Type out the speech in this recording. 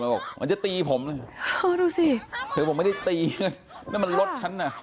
มันบอกมันจะตีผมโอ้ดูสิเธอบอกไม่ได้ตีนั่นมันรถชั้นอ่ะ